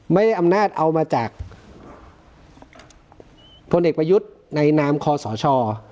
ไม่ได้อำนาจเอามาจากพลเอกประยุทธ์ในนามคอสช